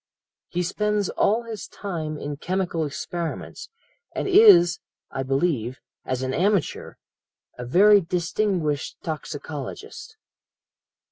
"'He spends all his time in chemical experiments, and is, I believe, as an amateur, a very distinguished toxicologist.'"